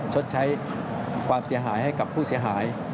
ชดใช้ความเสียหายให้กับผู้เสียหาย